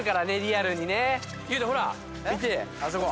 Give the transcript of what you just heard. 裕翔見てあそこ。